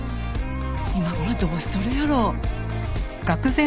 今頃どうしとるやろ？